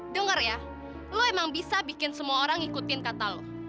dengar ya lo emang bisa bikin semua orang ngikutin kata lo